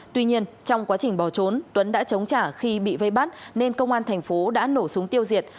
tuy nhiên trong quá trình bỏ trốn tuấn đã chống trả khi bị vây bắt nên công an thành phố đã nổ súng tiêu diệt